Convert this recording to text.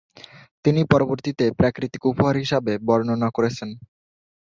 তিনি পরবর্তীতে "প্রাকৃতিক উপহার" হিসাবে বর্ণনা করেছেন।